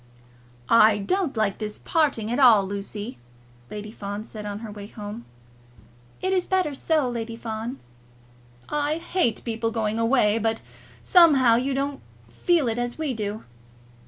"I don't like this parting at all, Lucy," Lady Fawn said on her way home. "It is better so, Lady Fawn." "I hate people going away; but, somehow, you don't feel it as we do."